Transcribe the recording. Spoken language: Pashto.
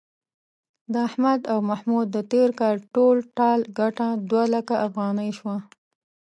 د احمد او محمود د تېر کال ټول ټال گټه دوه لکه افغانۍ شوه.